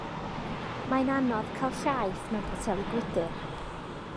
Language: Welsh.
Mae'n anodd cael llaeth mewn poteli gwydr.